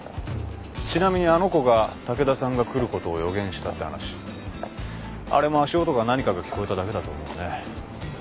ちなみにあの子が竹田さんが来ることを予言したって話あれも足音か何かが聞こえただけだと思うね。